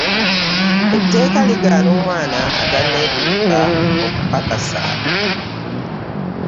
Etteeka ligaana omwana ataneetuuka okupakasa.